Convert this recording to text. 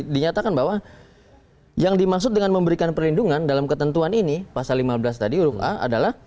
dinyatakan bahwa yang dimaksud dengan memberikan perlindungan dalam ketentuan ini pasal lima belas tadi huruf a adalah